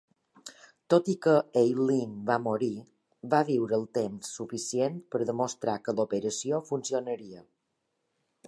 Tot i que Eileen va morir, va viure el temps suficient per demostrar que l'operació funcionaria.